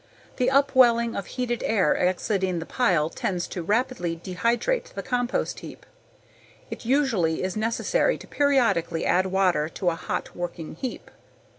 The upwelling of heated air exiting the pile tends to rapidly dehydrate the compost heap. It usually is necessary to periodically add water to a hot working heap.